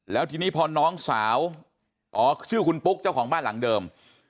แล้วทีนี้พอน้องสาวอ๋อชื่อคุณปุ๊กเจ้าของบ้านหลังเดิม